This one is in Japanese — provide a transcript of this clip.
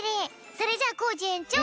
それじゃあコージえんちょう